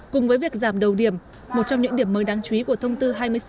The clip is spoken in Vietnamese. cùng với việc giảm đầu điểm một trong những điểm mới đáng chú ý của thông tư hai mươi sáu